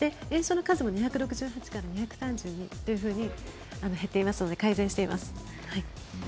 炎症の数も２６８から２３２と減っていますので改善しています。